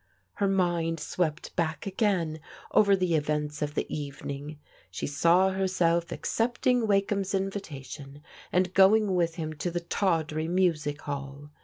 Her mind swept back again over the events of the evening. She saw herself accepting Wakeham's invita tion and going with him to the tawdry music hall.